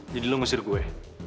jadi lo ngusir gue